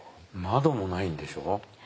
窓もないんでしょ？